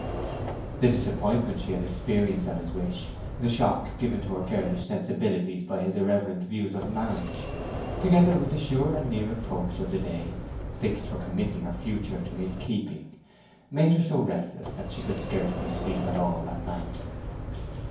The disappointment she had experienced at his wish, the shock given to her girlish sensibilities by his irreverent views of marriage, together with the sure and near approach of the day fixed for committing her future to his keeping, made her so restless that she could scarcely sleep at all that night.